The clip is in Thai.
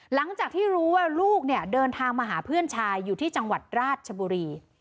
หลังจากที่รู้ว่าลูกเนี่ยเดินทางมาหาเพื่อนชายอยู่ที่จังหวัดราชบุรี